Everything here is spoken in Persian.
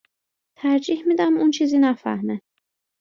ترجیح میدم اون چیزی نفهمه